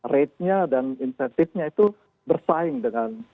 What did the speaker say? ratenya dan insentifnya itu bersaing dengan